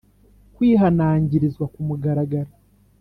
Kwihanangirizwa ku mugaragaro